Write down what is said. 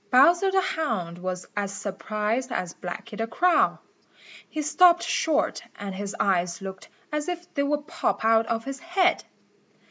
Bowser the Hound was as surprised as Blacky the Crow. He stopped short and his eyes looked as if they would pop out of his head.